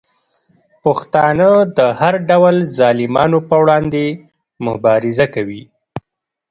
پښتانه د هر ډول ظالمانو په وړاندې مبارزه کوي.